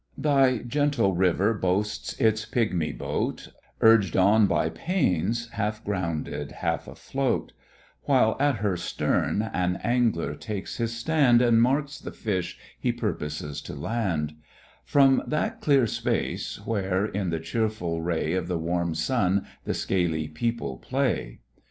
Thy gentle river boasts its pigmy boat, Urged on by pains, half grounded, half afloat: While at her stern an angler takes his stand, And marks the fish he purposes to land; From that clear space, where, in the cheerful ray Of the warm sun, the scaly people play.